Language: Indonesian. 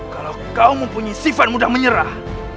kalau kau mempunyai sifat mudah menyerah